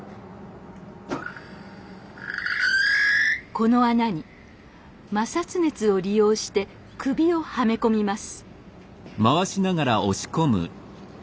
この穴に摩擦熱を利用して首をはめ込みます。